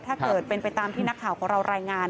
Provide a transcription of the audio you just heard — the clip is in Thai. ถ้าเกิดเป็นไปตามที่นักข่าวของเรารายงาน